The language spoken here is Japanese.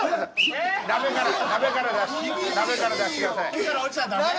手から落ちちゃダメ？